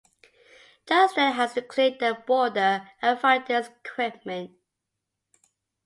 Jones then has to clear the border and find his equipment.